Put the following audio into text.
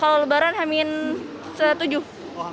kalau lebaran hamin setujuh